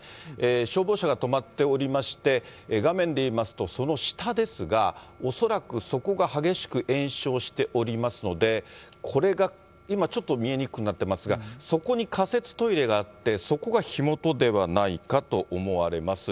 消防車が止まっておりまして、画面で言いますと、その下ですが、恐らくそこが激しく延焼しておりますので、これが、今ちょっと見えにくくなっていますが、そこに仮設トイレがあって、そこが火元ではないかと思われます。